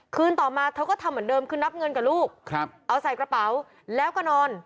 คืนต่อมาเธอก็ทำเหมือนเดิมคือนับเงินกับลูกครับเอาใส่กระเป๋าแล้วก็นอน